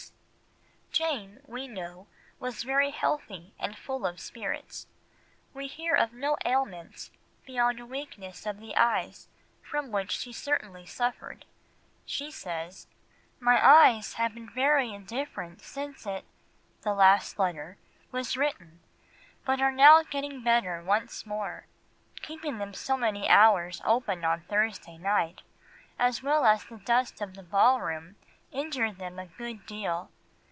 [Illustration: JANE AUSTEN] Jane, we know, was very healthy and full of spirits, we hear of no ailments beyond a weakness of the eyes from which she certainly suffered; she says, "My eyes have been very indifferent since it [the last letter] was written, but are now getting better once more; keeping them so many hours open on Thursday night, as well as the dust of the ballroom, injured them a good deal.